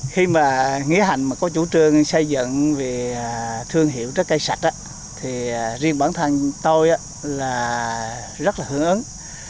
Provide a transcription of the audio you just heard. khi mà nghĩa hành có chủ trương xây dựng thương hiệu trái cây sạch thì riêng bản thân tôi rất là hưởng ứng